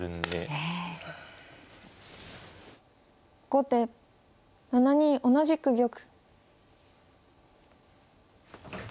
後手７二同じく玉。